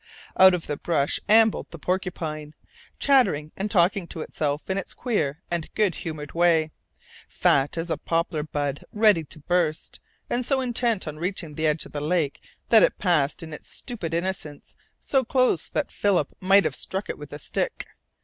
Out of the brush ambled the porcupine, chattering and talking to itself in its queer and good humoured way, fat as a poplar bud ready to burst, and so intent on reaching the edge of the lake that it passed in its stupid innocence so close that Philip might have struck it with a stick.